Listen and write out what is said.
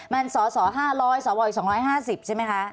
มันสอส่อห้าร้อยสอดอยู่สองร้อยห้าสิบใช่ไหมค่ะ